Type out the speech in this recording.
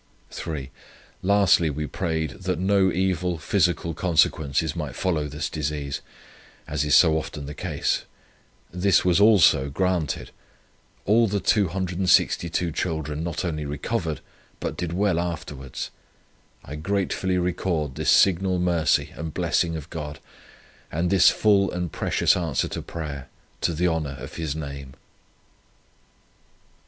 3. Lastly we prayed, that no evil physical consequences might follow this disease, as is so often the case; this was also granted. All the 262 children not only recovered, but did well afterwards. I gratefully record this signal mercy and blessing of God, and this full and precious answer to prayer, to the honour of His name."